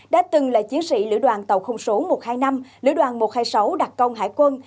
đã từng là chiến sĩ lữ đoàn tàu không số một trăm hai mươi năm lữ đoàn một trăm hai mươi sáu đặc công hải quân